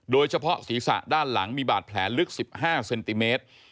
โดยเฉพาะศีรษะด้านหลังมีบาดแผลลึก๑๕เซนติเมตร